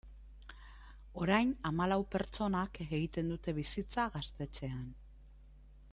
Orain hamalau pertsonak egiten dute bizitza gaztetxean.